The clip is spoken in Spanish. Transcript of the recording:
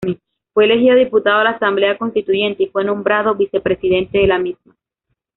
Fue elegido diputado a la Asamblea Constituyente, y fue nombrado vicepresidente de la misma.